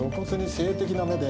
性的な目で。